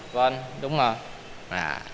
vâng đúng rồi